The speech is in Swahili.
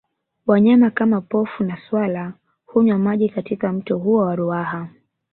Wanyama kama Pofu na swala hunywa maji katika mto huo wa Ruaha